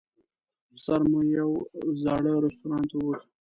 سر مو یوه زاړه رستورانت ته ووت.